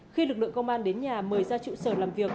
khi lực lượng công an đến nhà mời ra trụ sở làm việc